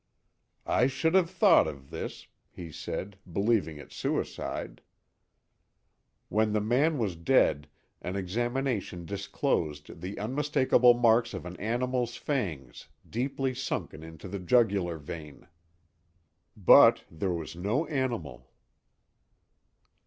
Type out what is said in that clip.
"I should have thought of this," he said, believing it suicide. When the man was dead an examination disclosed the unmistakable marks of an animal's fangs deeply sunken into the jugular vein. But there was no animal.